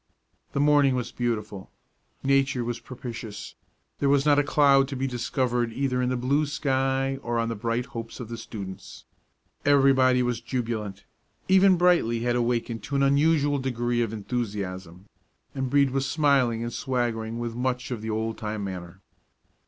The morning was beautiful. Nature was propitious; there was not a cloud to be discovered either in the blue sky or on the bright hopes of the students. Everybody was jubilant. Even Brightly had awakened to an unusual degree of enthusiasm, and Brede was smiling and swaggering with much of the old time manner.